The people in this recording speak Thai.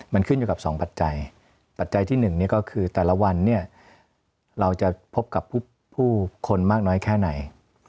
มันขึ้นอยู่กับ๒ปัจจัยปัจจัยที่๑ก็คือแต่ละวันเนี่ยเราจะพบกับผู้คนมากน้อยแค่ไหน